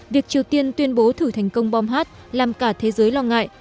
việc triều tiên tuyên bố thử thành công bom làm cả thế giới lo ngại